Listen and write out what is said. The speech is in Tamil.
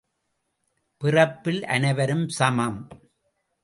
பிறப்பில் அனைவரும் சமம்.